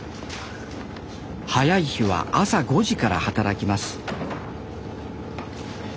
早い日は朝５時から働きます